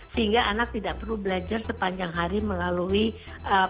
sehingga anak tidak perlu belajar sepanjang hari melalui proses